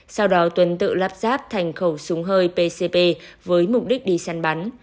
sau đó tuấn tự lắp ráp thành khẩu súng hơi pcp với mục đích đi săn bắn